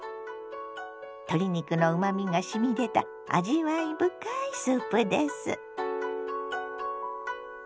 鶏肉のうまみがしみ出た味わい深いスープです。